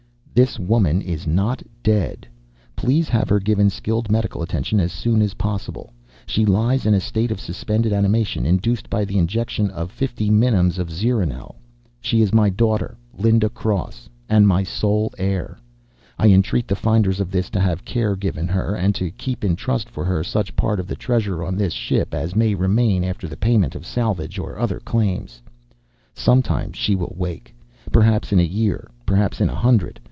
"This woman is not dead. Please have her given skilled medical attention as soon as possible. She lies in a state of suspended animation, induced by the injection of fifty minims of zeronel. "She is my daughter, Linda Cross, and my sole heir. "I entreat the finders of this to have care given her, and to keep in trust for her such part of the treasure on this ship as may remain after the payment of salvage or other claims. "Sometime she will wake. Perhaps in a year, perhaps in a hundred.